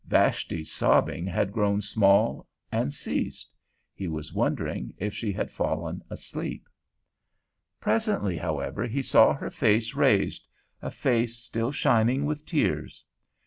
Vashti's sobbing had grown small and ceased; he wondered if she had fallen asleep. Presently, however, he saw her face raised—a face still shining with tears.